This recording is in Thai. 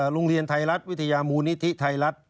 ลงเศียรไทรัสวิทยามูนิทธิไทรัส